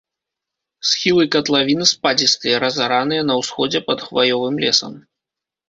Схілы катлавіны спадзістыя, разараныя, на ўсходзе пад хваёвым лесам.